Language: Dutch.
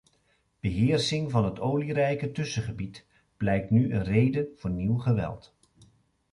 Beheersing van het olierijke tussengebied blijkt nu een reden voor nieuw geweld.